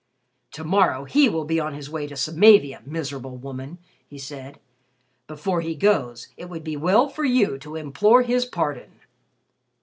"To morrow he will be on his way to Samavia, miserable woman!" he said. "Before he goes, it would be well for you to implore his pardon."